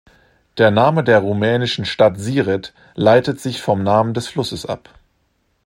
Der Name der rumänischen Stadt Siret leitet sich vom Namen des Flusses ab.